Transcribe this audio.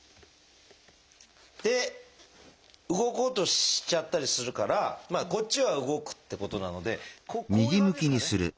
で動こうとしちゃったりするからこっちは動くってことなのでこういう感じですかね。